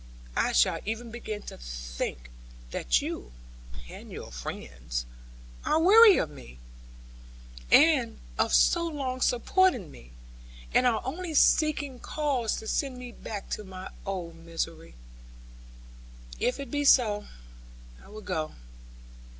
I shall even begin to think that you, and your friends, are weary of me, and of so long supporting me; and are only seeking cause to send me back to my old misery. If it be so, I will go.